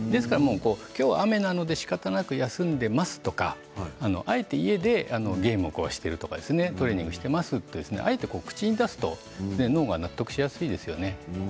きょうは雨なので、しかたなく休んでいますとかあえて家でゲームをしているとかトレーニングしていますとかあえて口にすると脳が納得しやすいですね。